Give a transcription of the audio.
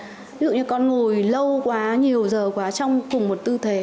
ví dụ như con ngồi lâu quá nhiều giờ quá trong cùng một tư thế